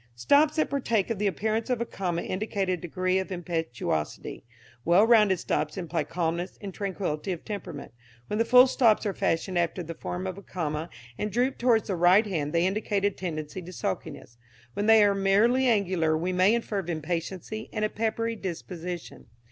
Stops that partake of the appearance of a comma indicate a degree of impetuosity; well rounded stops imply calmness and tranquility of temperament. When the full stops are fashioned after the form of a comma and droop towards the right hand they indicate a tendency to sulkiness. When they are merely angular we may infer impatience and a "peppery" disposition.